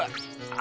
あ！